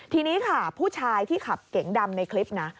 ทีนี้ค่ะผู้ชายที่ขับเก๋งดำในคลิปนะ